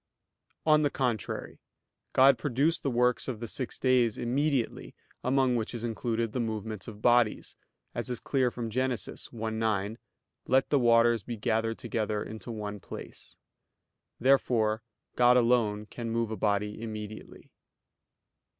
On the contrary, God produced the works of the six days immediately among which is included the movements of bodies, as is clear from Gen. 1:9 "Let the waters be gathered together into one place." Therefore God alone can move a body immediately.